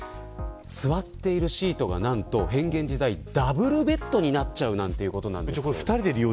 座っているシートが何と変幻自在のダブルベッドにもなってしまうということです。